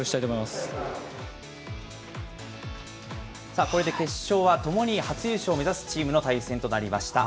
さあ、これで決勝は、ともに初優勝を目指すチームの対戦となりました。